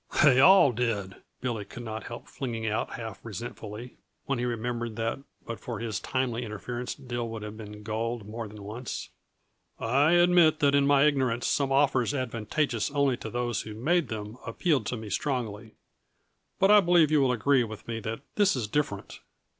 "They all did!" Billy could not help flinging out half resentfully, when he remembered that but for his timely interference Dill would have been gulled more than once. "I admit that in my ignorance some offers advantageous only to those who made them appealed to me strongly. But I believe you will agree with me that this is different.